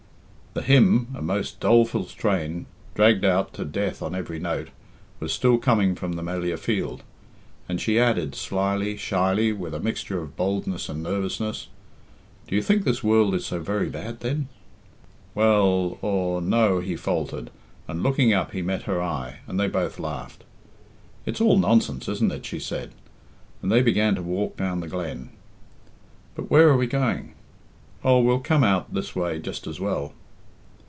The hymn (a most doleful strain, dragged out to death on every note) was still coming from the Melliah field, and she added, slyly, shyly, with a mixture of boldness and nervousness, "Do you think this world is so very bad, then?" "Well aw no," he faltered, and looking up he met her eye, and they both laughed. "It's all nonsense, isn't it?" she said, and they began to walk down the glen. "But where are we going?" "Oh, we'll come out this way just as well."